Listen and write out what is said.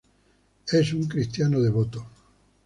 Es un cristiano devoto.